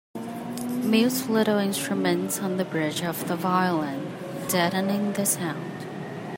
Mutes little instruments on the bridge of the violin, deadening the sound.